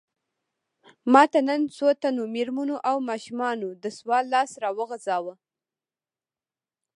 ماته نن څو تنو مېرمنو او ماشومانو د سوال لاس راوغځاوه.